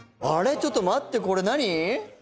ちょっと待ってこれ何？